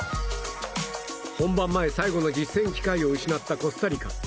本番前最後の実戦機会を失ったコスタリカ。